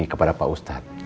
kepada anak pang